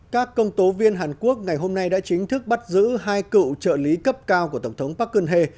các công tố viên hàn quốc ngày hôm nay đã chính thức bắt giữ hai cựu trợ lý cấp cao của tổng thống park geun hye